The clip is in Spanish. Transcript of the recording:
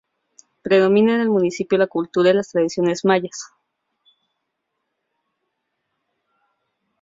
Predomina en el municipio la cultura y las tradiciones mayas.